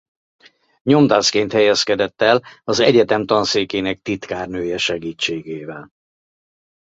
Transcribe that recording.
Nyomdászként helyezkedett el az egyetem tanszékének titkárnője segítségével.